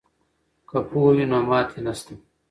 که پوهه وي نو ماتې نشته.